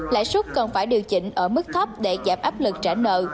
lãi suất còn phải điều chỉnh ở mức thấp để giảm áp lực trả nợ